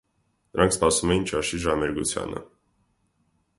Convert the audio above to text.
Նրանք սպասում էին ճաշի ժամերգությանը: